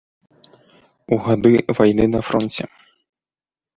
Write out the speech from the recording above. У гады вайны на фронце.